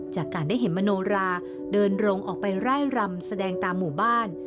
จากการได้เห็นมโนราเดินลงออกไปไล่รำแสดงตามหมู่บ้าน